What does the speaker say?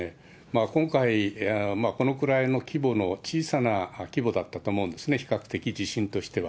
今回、このくらいの規模の、小さな規模だったと思うんですね、比較的、地震としては。